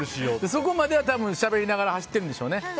そこまでは、しゃべりながら走ってるんでしょうね。